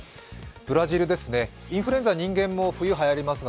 ブラジルですね、インフルエンザ、日本でも冬にはやりますが、